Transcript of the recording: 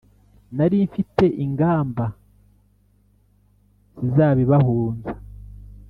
nari mfite ingamba zizabibahunza!